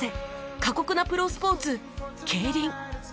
過酷なプロスポーツ競輪